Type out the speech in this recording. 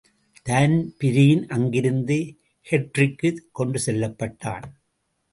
Dan Breen அங்கிருந்து கெர்ரிக்குக் கொண்டுசெல்லப்பட்டான்.